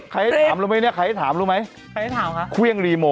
ใครให้ถามรู้ไหม